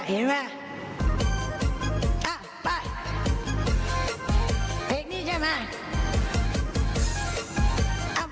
เพลงนี้ใช่ไหม